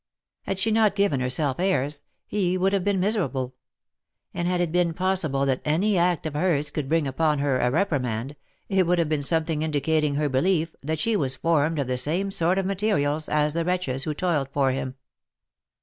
Had she not given herself airs, he would have been miserable ; and had it been pos sible that any act of hers could bring upon her a reprimand, it would have been something indicating her belief, that she was formed of the same sort of materials as the wretches who toiled for him.